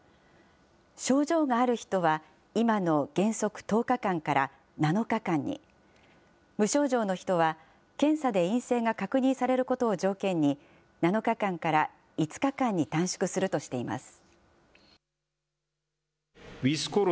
症状がある人は、今の原則１０日間から７日間に、無症状の人は、検査で陰性が確認されることを条件に７日間から５日間に短縮するとしています。